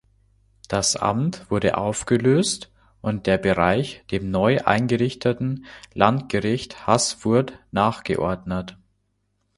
Das Amt wurde aufgelöst und der Bereich dem neu eingerichteten Landgericht Haßfurt nachgeordnet.